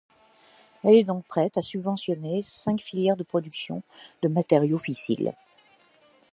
Elle est donc prête à subventionner cinq filières de production de matériaux fissiles.